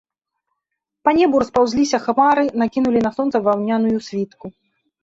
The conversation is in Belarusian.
Па небу распаўзліся хмары, накінулі на сонца ваўняную світку.